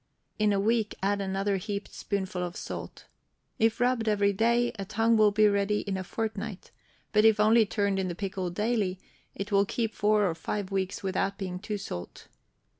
In a week add another heaped spoonful of salt. If rubbed every day, a tongue will be ready in a fortnight; but if only turned in the pickle daily, it will keep four or five weeks without being too salt.